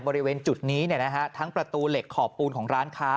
บริเวณจุดนี้ทั้งประตูเหล็กขอบปูนของร้านค้า